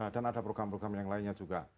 dan ada program program yang lainnya juga